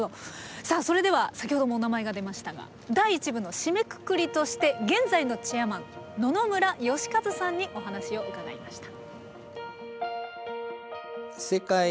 さあそれでは先ほどもお名前が出ましたが第１部の締めくくりとして現在のチェアマン野々村芳和さんにお話を伺いました。